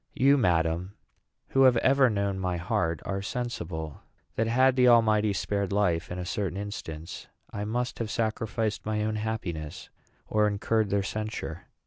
You, madam, who have ever known my heart, are sensible that, had the Almighty spared life in a certain instance, I must have sacrificed my own happiness or incurred their censure.